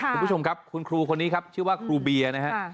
คุณผู้ชมครับคุณครูคนนี้ครับชื่อว่าครูเบียร์นะฮะ